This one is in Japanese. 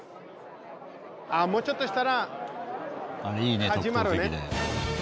もうちょっとしたら始まるね。